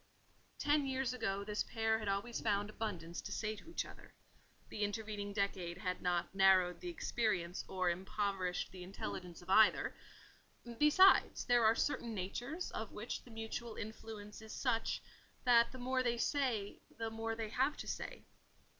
Ten years ago this pair had always found abundance to say to each other; the intervening decade had not narrowed the experience or impoverished the intelligence of either: besides, there are certain natures of which the mutual influence is such, that the more they say, the more they have to say.